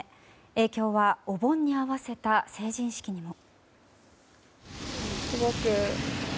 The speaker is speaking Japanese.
影響はお盆に合わせた成人式にも。